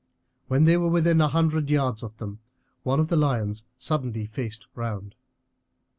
When they were within a hundred yards of them one of the lions suddenly faced round.